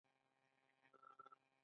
بوټونه د انسان شخصیت ښيي.